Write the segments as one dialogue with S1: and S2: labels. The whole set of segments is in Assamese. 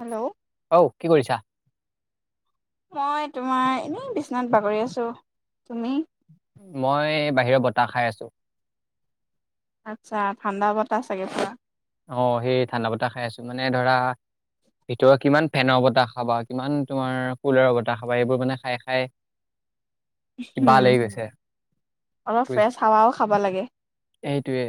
S1: হেল্ল'
S2: অ কি কৰিছা
S1: মই তোমাৰ এনেই বিছনাত বাগৰি আছো তুমি [unintelligible]
S2: মই বাহিৰৰ বতাহ খাই আছো।
S1: আচ্ছা ঠাণ্ডা বতাহ চাগে পুৰা
S2: আহ সেই ঠাণ্ডা বতাহ খাই আছো মানে ধৰা ভিতৰত কিমান ফেনৰ বতাহ খাবা কিমান তোমাৰ কুলাৰৰ বতাহ খাবা এইবোৰ মানে খাই খাই [unintelligible]
S1: হম
S2: এইটোৱে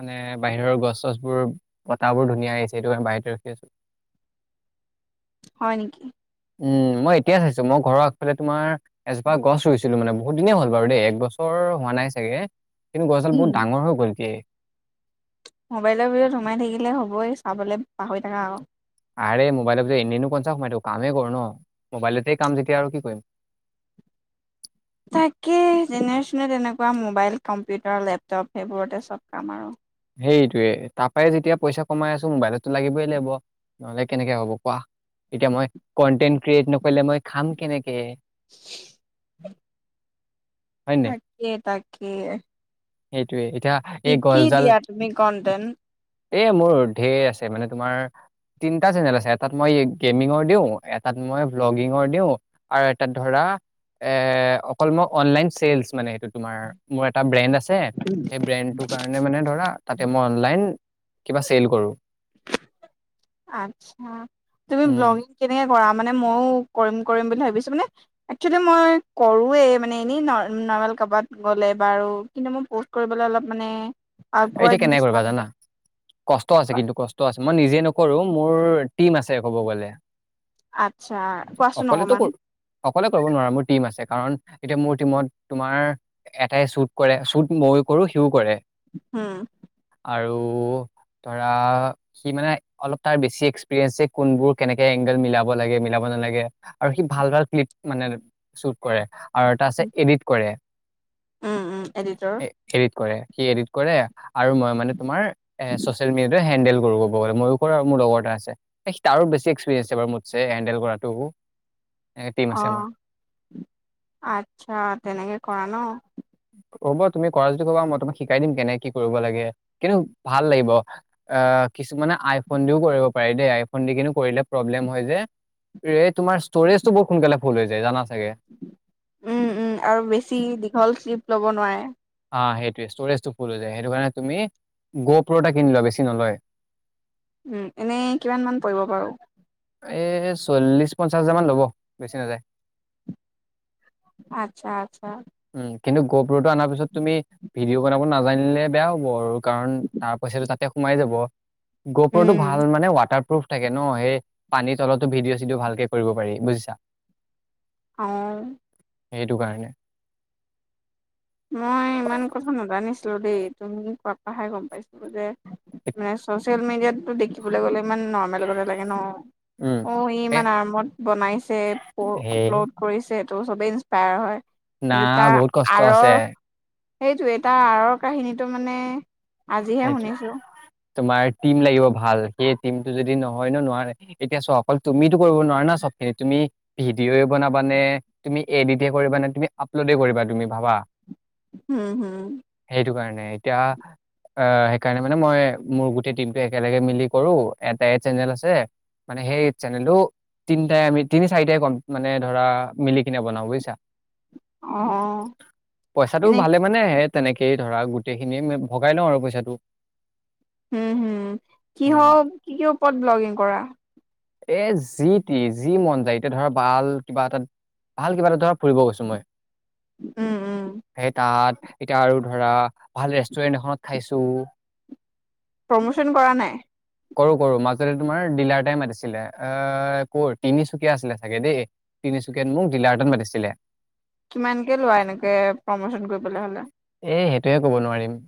S2: মানে বাহিৰৰ গছ চছ বোৰ বতাবোৰ ধুনীয়া আহিছে এইটো কাৰে বাহিৰতে ৰখি আছো
S1: হয় নেকি
S2: উম মই এতিয়াই চাইছো মই ঘৰ আগফালে তোমাৰ এজপ গছ ৰুইছিলো মানে বহুত দিনেই হ'ল বাৰু দেই এক বছৰ হোৱা নাই চাগে কিন্তু গছ ডাল বহুত ডাঙৰ হৈ গ'ল দিয়
S1: মোবাইলৰ ভিতৰত সোমাই থাকিলে হ'বই চাবলৈ পাহৰি থাকা আক
S2: আৰে মোবাইলত এনেইনো কনছা সোমাই থাকো কামেই কৰো ন মোবাইলতেই কাম যেতিয়া আৰু কি কৰিম [unintelligible]
S1: তাকেই জেনেৰেশ্যনে এনেকুৱা মোবাইল কম্পিউটাৰ লেপটপ সেইবোৰতে চব কাম আৰু
S2: সেইটোয়ে তাৰপাই যেতিয়া পইচা কমাই আছো মোবাইলত তো লাগিবই লাগিব নহ'লে কেনেকে হব কোৱা এতিয়া মই কন্টেন্ট ক্ৰিয়েট নকৰিলে মই খাম কেনেকে
S1: [unintelligible]
S2: হয় নে নাই
S1: তাকেই তাকেই
S2: সেইটোৱে এতিয়া
S1: কি
S2: এই
S1: কি দিয়া তুমি কণ্টেন
S2: এ মোৰ ধেৰ আছে মানে তোমাৰ তিনিটা চেনেল আছে এটাত মই গেমিঙৰ দিওঁ এটাত মই ভ্লগিঙৰ দিওঁ আৰু এটাত ধৰা এ অকল মই অনলাইন চেল মানে সেইটো তোমাৰ মোৰ এটা ব্ৰেণ্ড আছে তাকে এই ব্ৰেণ্ড টো কাৰণে মানে ধৰা মই অনলাইন কিবা চেল কৰোঁ
S1: আচ্ছা তুমি
S2: উম
S1: ব্লগিং কেনেকে মানে মইও কৰি কৰিম বুলি ভাবিছো মানে মই একচুবেলি কৰোৱে মানে এনে কবাত গলে বাৰু কিন্তু মোৰ পষ্ট কৰিবলে অলপ মানে
S2: এতিয়া
S1: আকৱাৰ্ড
S2: কেনেকে
S1: নিচিনা
S2: কৰিবা জানা
S1: লাগে
S2: কষ্ট আছে কিন্তু কষ্ট আছে মই নিজে নকৰো মোৰ টিম আছে ক'ব গ'লে।
S1: আচ্ছা কোৱাচোন
S2: অকলেতো
S1: অকমান
S2: অকলে কৰিব নোৱাৰা মোৰ টিম আছে কাৰণ এতিয়া মোৰ টিমত তোমাৰ এটাই শ্বুট কৰে শ্বুট মইও কৰো সিও কৰে
S1: হম
S2: আৰু ধৰা সি মানে অলপ তাৰ বেছি এক্সপিৰিয়েন্ঞ্চ যে কোনবোৰ কেনেকে এংগেল মিলাব লাগে মিলাব আৰু সি ভাল ভাল ক্লিপ মানে ছোট কৰে আৰু এটা আছে এডিট কৰে।
S1: উম উম এডিটৰ
S2: এ এডিট কৰে সি এডিত কৰে আৰু মই মানে তোমাৰ এ চচিয়াল মিডিয়াটো হেণ্ডেল ময়ো আৰু মোৰ লগৰ এটা আছে তাৰো বেছি এক্সপিৰিয়েঞ্চ বাৰু মটছে হেণ্ডেল কৰাটো টিম
S1: অ
S2: আছে আমাৰ
S1: আচ্ছা তেনেকে কৰা ন।
S2: হ'ব তুমি কৰা যদি কবা মই তোমাক শিকাই দিম কেনে কি কৰিব লাগে কিন্তু ভাল লাগিব আহ। কিছুমানানে আইফোন দিও কৰিব পাৰি দেই আইফোন দি কেনে কৰিলে প্ৰব্লেম হয় যে ৰে তোমাৰ ষ্ট'ৰেজ টো বহু সোনকালে ফুল হৈ যায় জানা চাগে
S1: উম উম আৰু বেছি দীঘল ক্লিপ লব নোৱাৰে।
S2: হ সেইটোৱে ষ্ট'ৰেজটো ফুল হৈ যায় সেইটো কাৰণে তুমি গোপ এটা কিনি লৱা বেছি নলয়।
S1: উম এনেই কিমান মান পৰিব বাৰু
S2: এ চল্লিশ পঞ্চাশ হাজাৰ মান ল'ব বেচি নাযায়
S1: আচ্ছা
S2: উম কিন্তু গোপটো অনাৰ পিছত তুমি ভিডিঅ' বনাব নাজানিলে বেয়া হ'ব আৰু। কাৰণ তাৰ পইচাটো তাতে সোমাই যাব
S1: উম
S2: গোপৰটো ভাল মানে ৱাটাৰপ্ৰুফ থাকে ন সেই পানীৰ তলতো ভিডি চিডিও ভালকে কৰিব পাৰি বুজিছা
S1: অহ
S2: সেইটো কাৰণে।
S1: মই ইমান কথা নাজানিছিলো দেই তুমি কত অহাই গম পাইছিলো যে মানে চচিয়েল মিডিয়াতটো দেখিবলৈ গ'লে ইমান নৰ্মেল গতে লাগে ন
S2: উম।
S1: অ ই
S2: এ
S1: ইমান আৰামত বনাইছে
S2: হেই
S1: আপলোড কৰিছে ত চবেই ইনস্পায়াৰ হয়।
S2: না
S1: কিন্তু তাৰ
S2: বহুত কষ্ট আছে।
S1: আৰৰ সেইটো এটা আঁৰৰ কাহিনীটো মানে আজিহে
S2: সেইটো
S1: শুনিছো
S2: তোমাৰ টিম লাগিব ভাল সেই টিম টো যদি নহয় ন নোৱাৰে এতিয়া চ অকল তুমিতো কৰিব নোৱাৰা না। হে তুমি ভিডিঅ বনাবা নে তুমি এডিটে কৰিবা নে তুমি আপলোডে কৰিবা তুমি ভাবা
S1: হম হম।
S2: নে এতিয়া আহ সেইকাৰণে মানে মই মোৰ গোটেই টিম একেলগে মিলি কৰো এটাই চেনেল আছে। মানে সেই চেনেলটো। তিনিটাই আমি তিনি চাৰিটাই কম মানে ধৰা মিলি কিনে বনাওঁ বুজিছা
S1: অ
S2: পইচাটো
S1: এনে
S2: ভালে মানে আহে তেনেকেই ধৰা গোটেইখিনিয়ে ভগাই লওঁ আৰু পইচাটো।
S1: হম হম কি
S2: উম,
S1: হল কি কি ওপৰত ব্লগিং কৰা
S2: এ যি টি যি মন যায় এতিয়া ধৰ ভাল কিবা এটা ভাল কিবা এটা ধৰ ফুৰিব গৈছোঁ মই
S1: উম উম
S2: সেই তাত এতিয়া আৰু ধৰা ভাল ৰেষ্টুৰেন্ট এখনত খাইছো
S1: প্ৰমোচন কৰা নাই।
S2: কৰো কৰো মাজতে তোমাৰ ডিলাৰ টাই মাতিছে এৰ কৰ তিনিচুকীয়া আছিলে চাগে দেই তিনিচুকীয়াত মোক ডিলাৰ এটাত মাতিছিলে।
S1: কিমানকে লোৱা এনেকে প্ৰমোচন কৰিবলৈ হলে
S2: এই সেইটোৱে ক'ব নোৱাৰিম।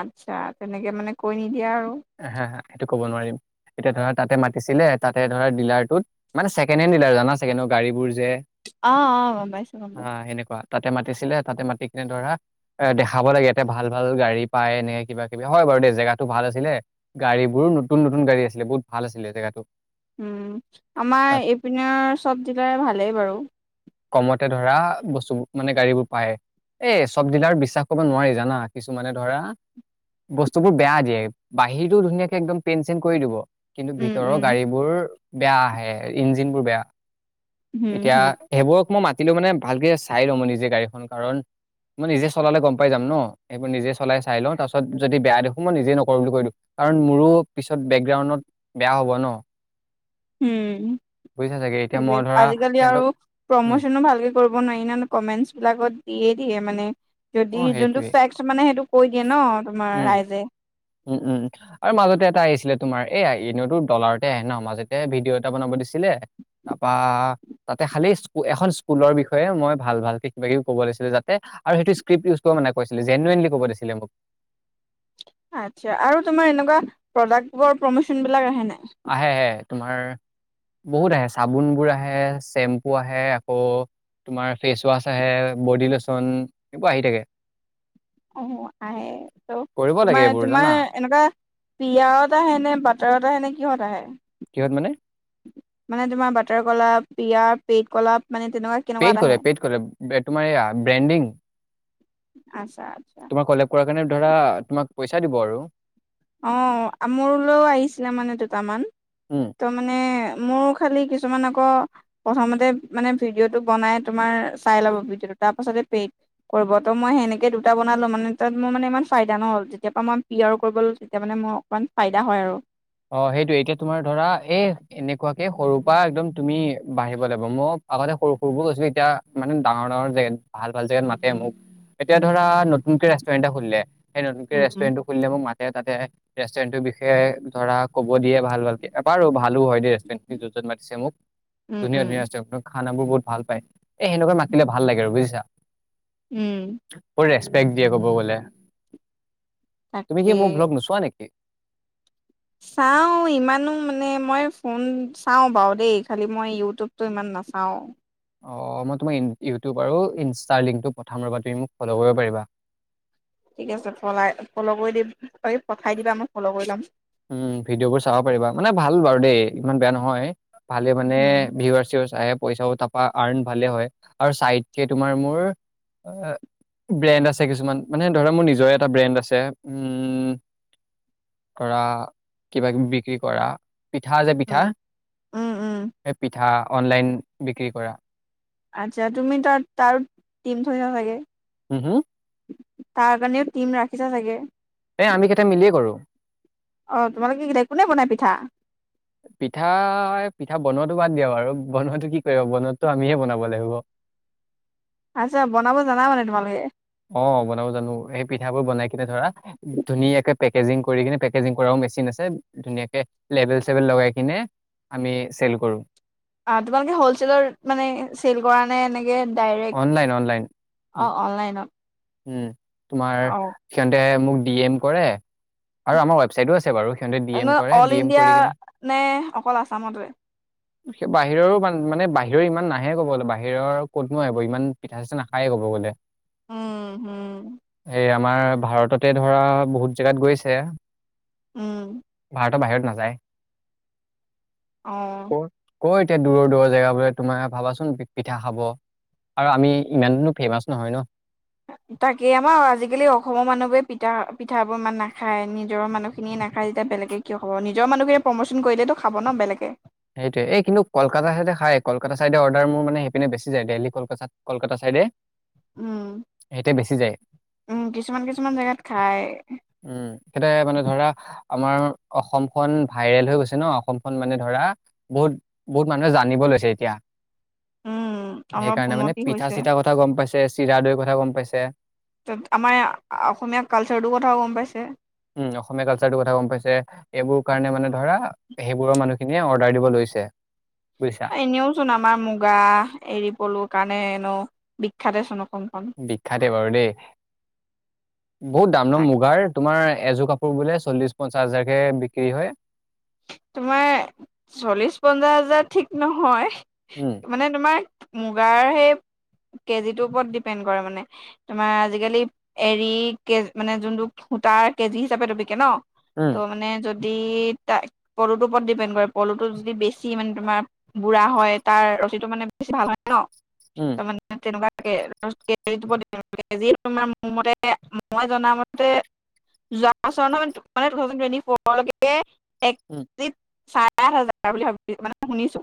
S1: আচ্ছা তেনেকে মানে কৈ নিদিয়া আৰু।
S2: হা হা সেইটো ক'ব নোৱাৰিম এতিয়া ধৰা তাতে মাতিছিলে তাত ধৰা ডিলাৰটোত মানে চিকেন হেণ্ড ডিলাৰ জানা গাড়ীবোৰ যে
S1: অ অ গম পাইছো গম
S2: হা
S1: পাইছো
S2: সেনেকুৱা তাতে মাতিছিলে তাতে মাতি কিনে ধৰা এ দেখাব লাগে ইয়াতে ভাল ভাল গাড়ী পায় এনেকে কিবা কিবি হয় অ দেই জেগাটো ভাল আছিলে গাড়ী বোৰ নতুন নতুন গাড়ী আছিলে বহুত ভাল আছিলে জেগাটো
S1: উম আমাৰ
S2: তাত
S1: ইপিনৰ চব ডিলাৰ ভালেই বাৰু।
S2: কমতে ধৰা বস্তুবোৰ মানে গাড়ীবোৰ পায়। এই চব ডিলাৰ বিশ্বাস কৰিব নোৱাৰি জানা কিছুমানে ধৰা বস্তুবোৰ বেয়া দিয়ে বাহিৰটো ধুনীয়াকে একদম পেইন চেন কৰি দিব কিন্তু
S1: উম,
S2: ভিতৰৰ
S1: উম।
S2: গাড়ীবোৰ বেয়া আহে ইঞ্জিন বোৰ বেয়া
S1: হুম,
S2: এতিয়া
S1: হুম,
S2: সেইবোৰক মই মাত কিন্তু মানে ভালকে চাই ল'ম নিজে গাড়ীখন কাৰন মই নিজে চলালে গম পাই যাম ন এইইবোৰ নিজে চলাই চাই লওঁ তাৰপিছ যদি বেয়া দেখো মই নিজে ন কৰো বুলি কৈদিও কাৰণ মোৰো পিছত বেকগ্ৰাউডত বেয়া হ'ব ন
S1: উম
S2: বুজিছা চাগে এতিয়া
S1: সেইটোৱে
S2: মই ধৰা
S1: আজিকালি আৰু
S2: সিহঁতক উম
S1: প্ৰমোচনো ভালকে কৰিব নোৱাৰি ন কমেণ্টছ বিলাকত দিয়ে থাকে মানে
S2: অ
S1: যদি জোনটো
S2: সেইটোৱে
S1: চেক্স মানে সেইটোৱে কৈ দিয়ে ন তোমাৰ
S2: উম
S1: ৰাইজে।
S2: উম উম আৰু মাজতে এটা আহিছিলে। তোমাৰ এয়া এনেওটো ডলাৰতে আহে ন মাজতে ভিডিঅ' এটা বনাব দিছিলে তাৰপা তাতে খালি এখন স্কুলৰ বিষয়ে মই ভাল ভালকে কিবা কিবি কব লাগিছিলে যাতে আৰু সেইটো স্ক্ৰিপ্ট ইউজ কৰিব মানে কৈছিলে জেনুৱনলি কব দিছিলে মোক।
S1: আচ্ছা আৰু তোমাৰ এনেকুৱা প্ৰডাবোৰ প্ৰমোন বিলাক আহে ন
S2: আহে আহে তোমাৰ। বহুত আহে চাবোন বোৰ আহে চেম্পু আহে আকৌ তোমাৰ ফেচ ৱাছ আহে, বডি লোচন সেইবোৰ আহি থাকে।
S1: অ আহে ত
S2: কৰিব লাগে
S1: তোমাৰ
S2: এইবোৰ
S1: তোমাৰ
S2: জানা
S1: এনেকুৱা পিয়ত আহে নে বাটাৰত আহে নে কিহত আহে?
S2: কিহত মানে?
S1: মানে তোমাৰ বাটাৰ কলা, পিয়া, পেট কলাপ মানে তেনেকুৱা
S2: পেড
S1: কেনেকুৱাত
S2: কৰে
S1: আহে?
S2: পেড কৰে তোমাৰ ইয়া ব্ৰেণ্ডিং।
S1: আচ্ছা আচ্ছা
S2: তোমাৰ কলেব কাৰণে ধৰা তোমাক পইচা দিব আৰু।
S1: অ মোৰলৈও আহিছিলে মানে দুটামান।
S2: উম
S1: ত মানে মোৰ খালি কিছুমান আকৌ ক প্ৰথমতে মানে ভিডিঅ' টো বনাই তোমাৰ চাই লব ভিডিঅ'টো তাৰ পাছতে পেই কৰিব তো মই সেনেকে দুটা বনালো মানে তাত মোৰ মানে ইমান ফাইদা নহ'ল যেতিয়াৰ পৰা মই পি আৰ কৰিব লৈছো। তেতিয়া মানে মোৰ অকণমান ফাইদা হয় আৰু।
S2: অ সেইটোৱে এতিয়া বা একদম তুমি বাঢ়িব লাগিব মই আগতে সৰু সৰুবোৰ গৈছিলো এতিয়া মানে ডাঙৰ ডাঙৰ জেগাত ভাল ভাল জেগাত মাতে মোক এতিয়া ধৰা নতুনকে ৰেষ্টুৰেণ্ট এটা খুলিলে সেই নতুনকে
S1: উম উম।
S2: ৰেষ্টুৰেণ্টটো খুলিলে মোৰ মাতে তাতে ৰেষ্টুৰেণ্টটোৰ বিষয়ে ধৰা ক'ব দিয়ে ভাল ভালকে এবাৰো ভাল সেইটো হয় দে ৰেষ্টুৰেণ্টটোত যত তত মাতিছে মোক,
S1: উম
S2: ধুনিয়া
S1: উম
S2: ধুনীয়া আছে খানাবোৰ বহুত ভাল পায় এই সেনেকুৱা মাতিলে ভাল লাগে আৰু বুজিছা।
S1: উম
S2: বেগ দিয়ে ক'ব গলে, তুমি কি
S1: তাকে।
S2: মোৰ ভ্লগ নোচোৱা নেকি?
S1: চাওঁ ইমানো মানে মই ফোন চাওঁ বাৰু দেই খালি মই ইউটিউবটো ইমান নাচাওঁ।
S2: অ মই তোমাৰ ই ইউটিউব আৰু ইনষ্টাৰ লিংকটো পঠাম ৰ'বা তুমি মোক ফ'ল' কৰিব পাৰিবা।
S1: ঠিক আছে ফলাই ফ'ল' কৰি দিম এই পঠাই দিবা মই ফ'ল' কৰি ল'ম।
S2: উম ভিডিঅ' বোৰ চাব পাৰিবা মানে ভাল বাৰু দেই ইমান বেয়া নহয়। ভালে মানে
S1: উম
S2: ভিউৱাৰচ চিউৱাচ আহে। পইচা তাৰপৰা আৰ্ন ভালে হয় আৰু চাইডকে তোমাৰ মোৰ আ, ব্ৰেণ্ড আছে কিছুমান মানে ধৰা মোৰ নিজৰে এটা ব্ৰেণ্ড আছে উম। কৰা কিবা কিবি বিক্ৰী কৰা। পিঠা যে পিঠা,
S1: উম উম উম।
S2: সেই পিঠা অনলাইন বিক্ৰী কৰা।
S1: আচ্ছা, তুমি তাত তাৰো টিম থৈছা চাগে?
S2: উম হুম!
S1: তাৰ কাৰণেও টিম ৰাখিছা চাগে।
S2: এই আমি কেইটাই মিলিয়ে কৰোঁ।
S1: অ তোমালোকে কি কি কোনে বনাই পিঠা?
S2: পিঠা পিঠা বনোৱাটো বাদ দিয়া বাৰু বনোৱাটো কি কৰিবা বনোৱাটো আমিহে বনাব লাগিব। [unintelligible]
S1: আচ্ছা, বনাব জানা মানে তোমালোকে?
S2: অ বনাব জানো, সেই পিঠাবোৰ বনাই কিনে ধৰা ধুনীয়াকে পেকেজিং কৰি কিনে পেকেজিং কৰাও মেচিন আছে, ধুনীয়াকে লেবেল চেবেল লগাইকিনে আমি চেল কৰো।
S1: অ তোমালোকে হলচেলত মানে চেল কৰা নে ডাইৰেক
S2: অনলাইন অনলাইন
S1: অ অনলাইনত।
S2: উম তোমাৰ
S1: অ
S2: সিহঁতে মোক ডি এম কৰে, আৰু আমাৰ ৱেবচাইটো আছে বাৰু। সিহঁতে ডি এম
S1: এনে
S2: কৰে
S1: অল
S2: ডি এম
S1: ইণ্ডিয়া
S2: কৰি কিনে
S1: নে অকল আছামতে?
S2: স বাহিৰৰো মানে বাহিৰৰ ইমান নাহে ক'ব গলে বাহিৰৰ ক'তনো আহিব ইমান পিঠা চিঠা নাখায়ে ক'ব গ'লে।
S1: উম হুম।
S2: এই আমাৰ ভাৰততে ধৰা বহুত জেগাত গৈছে।
S1: উম।
S2: ভাৰতৰ বাহিৰত নাযায়।
S1: আহ।
S2: ক ক এতিয়া দূৰৰ দূৰৰ জেগা বোৰে তোমাৰ ভাবাচোন পিঠা খাব। আৰু আমি ইমাননো ফেমাচ নহয় ন।
S1: তাকে আমাৰ আজিকালি অসমৰ মানুহবোৰে পিঠা পিঠা বোৰ ইমান নাখায় নিজৰ মানুহখিনিয়ে? না খাই যেতিয়া বেলে কিয় খ'ব নিজৰ মানুহে প্ৰমোচন কৰিলে খাব ন বেলেগে।
S2: সেইটোৱে এই কিন্তু কলকাতা চাইডে খাই কলকাতা চাইডে অৰ্ডাৰ মোৰানে সেই পিনে বেছি যায় দেলহীতাত কলকাতা চাইডে।
S1: উম।
S2: এতিয়া বেছি যায়।
S1: উম কিছুমান কিছুমান জেগাত খাই
S2: উম এতিয়া মানে ধৰা। আমাৰ অসমখন ভাইৰেল হৈ গৈছে ন অসমখন মানে ধৰা। বহুত বহুত মানুহে জানিব লৈছে এতিয়া।
S1: উম অলপ
S2: সেইকাৰণে মানে
S1: উন্নতি
S2: পিঠা
S1: হৈছে।
S2: চিঠা কথা গম পাইছে চিৰা দৈৰ কথা গম পাইছে?
S1: ত আমাৰ অসমীয়া কালচাৰটোৰ কথাও গম পাইছে।
S2: উম অসমীয়া কালচাৰটোৰ কথা গম পাইছে এইবোৰ কাৰণে মানে ধৰা। সেইবোৰৰ মানুহখিনিয়ে অৰ্ডাৰ দিব লৈছে? বুজিছা
S1: এনেও চোন আমাৰ মুগা এৰি পলুৰ কাৰণে এনেও বিখ্যাতে চোন। অসমখন
S2: বিখ্যাতে বাৰু দেই বহুত দাম ন
S1: তাক
S2: মুগাৰ তোমাৰ এযোৰ কাপোৰ। বোলে চল্লিশ পঞ্চাশ হাজাৰকে বিক্ৰী হয়।
S1: তোমাৰ চল্লিশ পঞ্চাশ হাজাৰ ঠিক
S2: উম
S1: নহয় মানে তোমাৰ। মুগাৰ সেই। কেজিটোৰ ওপৰত ডিপেণ্ড কৰে মানে তোমাৰ আজিকালি এৰী কে মানে যোনটো? সূতা কেজি হিচাপে ত বিকে ন,
S2: উম
S1: ত' মানে যদি ত। পলু ৰ ওপৰত ডিপেণ্ড কৰে পলুটো যদি বেছি মানে তোমাৰ বুঢ়া হয় তাৰ ৰিটো মানে বেছি ভাল হয়।
S2: উম
S1: ত মানে তেনেকুৱা। তোমাৰ মোৰ মতে মই জনামতে। যে ট থে টট ফৰকে।
S2: উম,
S1: চাৰে আঠ হাজাৰ বুলি ভাবিছো মানে শুনিছো।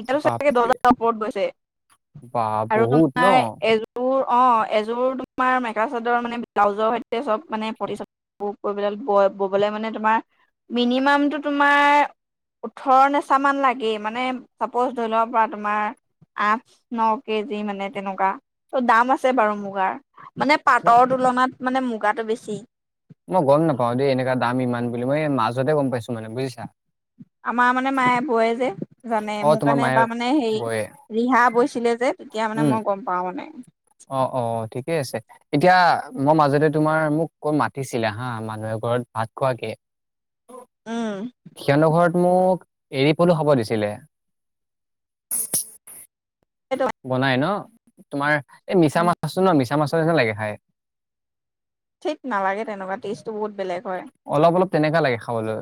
S1: ইতিয়াও চাগে দহ
S2: বাপৰে
S1: হাজাৰ ওপৰত গৈছে
S2: বাপ
S1: আৰু
S2: বহুত ন?
S1: তোমাৰ এযোৰ। অ এযোৰ তোমাৰ মেখেলা চাদৰ মানে ব্লাউজৰ সৈতে চব মানে পতিচতি বোৰ কৰিবলে হ'ল। ববলে মানে নে টোমাৰ মিনয়মই তোমাৰ? ওঠৰ নিচামান লাগে মানে চাপ'জ ধৰি লও পৰা তোমাৰ। আঠ ন কেজি মানে তেনেকুৱা, ত দাম আছে বাৰু মুগাৰ। মানে
S2: মই
S1: পাটৰ তুলনাত মানে মুগাটো বেছি।
S2: মই গম নাপাও দেই এনেকা দাম ইমান বুলি মই মাজতে গম পাইছোঁ মানে বুজিছা?
S1: আমাৰ মানে মায়ে বয় যে জানে
S2: অ'
S1: মোৰ
S2: তোমাৰ
S1: কাৰণে
S2: মায়ে
S1: এবাৰ মানে হেৰি
S2: বয়ে
S1: ৰিহা ব।
S2: উম, অ অ অ ঠিকেই আছে। এতিয়া মই মাজতে তোমাৰ মোক মাতিছিলে হা মানুহ এঘৰত ভাত খোৱাকে?
S1: উম
S2: হেতৰ ঘৰত। মোক এৰি পলো হ'ব দিছিলে?
S1: সেইটো
S2: বনাই ন তোমাৰ এই মিছা মাছ আছো ন মিছা মাছ। লাগে খাই।
S1: ঠিক নালাগে তেনেকুৱা টেষ্টটো বহুত বেলেগ হয়।
S2: কেনেকা লাগে খাবলৈ?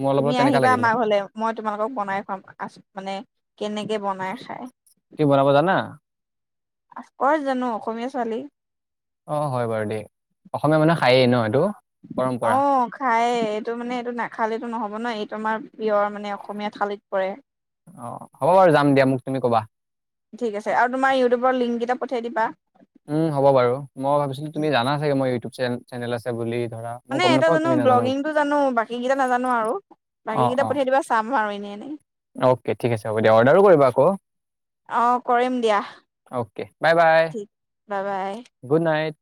S2: মোৰ অলপ
S1: তুমি
S2: অলপ তেনেকা
S1: আহিবা আ
S2: লাগিলে।
S1: মমাক হলে মই তোমালোকক বনাই খাম আ মানে কেনেকে বনাই খাই।
S2: কি বনাব জানা।
S1: আফকচ জানো অসমীয়া ছোৱালী।
S2: অ হয় বাৰু দেই অসমীয়া মানুহে খায়েই ন এইটো?
S1: অ
S2: পৰম্পৰা।
S1: খায়ে এইটো মানে এইটো ন। থালিতো নহ'ব ন এইটো আমাৰ প্ৰিয়ৰ মানে অসমীয়া থালিত পৰে।
S2: অহ হ'ব বাৰু যাম দিয়া মোক তুমি ক'বা।
S1: ঠিক আছে আৰু তোমাৰ ইউটিউবৰ লিংক কেইটা পঠিয়াই দিবা
S2: উম হ'ব বাৰু মই ভাবিছিলো তুমি জানা চাগে মোৰ ইউটিউব চেনেল। চেনেল আছে বুলি। ধৰা মই
S1: মানে
S2: গম
S1: এটা
S2: নাপাওঁ
S1: জানো
S2: তুমি নাজানা বুলি
S1: ব্লগিংটো জানো বাকী কেইটা নাজানো আৰু বাকী
S2: অ
S1: কেইটা
S2: অ
S1: পঠিয়াই দিবা চাম আৰু এনে। এনেই
S2: অ'কে ঠিক আছে হ'ব দিয়া অৰ্ডাৰো কৰিবা আকৌ
S1: অ কৰিম দিয়া
S2: অ'কে বাই বাই
S1: ঠিক বাই বাই
S2: গুড নাইট